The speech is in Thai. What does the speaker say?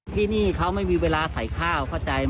ที่นี่เขาไม่มีเวลาใส่ข้าวเข้าใจ